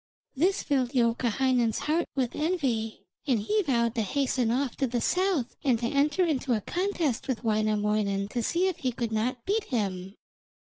This filled Youkahainen's heart with envy, and he vowed to hasten off to the south and to enter into a contest with Wainamoinen to see if he could not beat him.